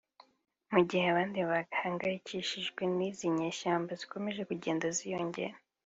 mu gihe abandi bahangayikishijwe n’izi nyeshyamba zikomeje kugenda ziyongera